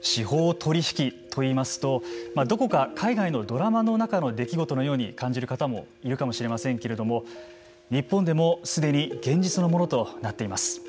司法取引といいますとどこか海外のドラマの中の出来事のように感じる方もいるかもしれませんけれども日本でもすでに現実のものとなっています。